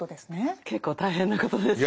結構大変なことですよね。